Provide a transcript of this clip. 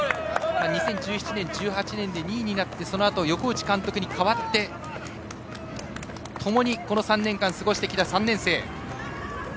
２０１７年１８年で２位になって横打監督に変わってともに、この３年間過ごしてきた３年生。